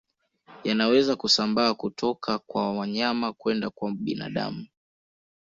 Yanaweza kusambaa kutoka kwa wanyama kwenda kwa binadamu